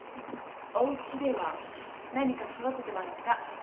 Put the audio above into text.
おうちでは何か育ててますか？